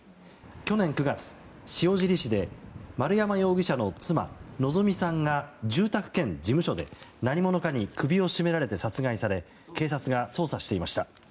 去年９月塩尻市で丸山容疑者の妻希美さんが住宅兼事務所で何者かに首を絞められて殺害され警察が捜査していました。